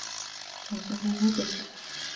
وَسَهْوُهُ بِالْقَصْدِ